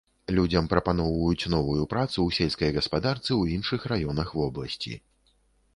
Людзям прапаноўваюць новую працу ў сельскай гаспадарцы ў іншых раёнах вобласці.